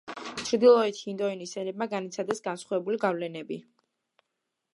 ჩრდილოეთი ინდოეთის ენებმა განიცადეს განსხვავებული გავლენები.